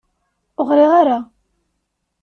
Ur ɣriɣ ara.